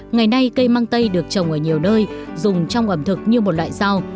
ngày nay cây mang tây được trồng ở nhiều nơi dùng trong ẩm thực như một loại rau